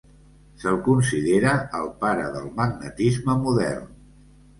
Se'l considera el pare del magnetisme modern.